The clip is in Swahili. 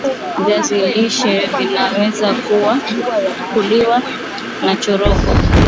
viazi lishe Vinaweza kuliwa nachoroko